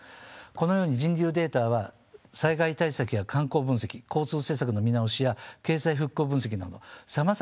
このように人流データは災害対策や観光分析交通施策の見直しや経済復興分析などさまざまなシーンで活用できます。